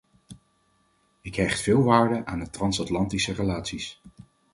Ik hecht veel waarde aan de transatlantische relaties.